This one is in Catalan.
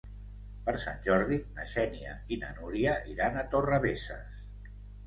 Per Sant Jordi na Xènia i na Núria iran a Torrebesses.